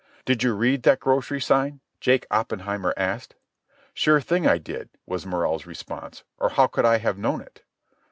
"Did you read that grocery sign?" Jake Oppenheimer asked. "Sure thing I did," was Morrell's response. "Or how could I have known it?"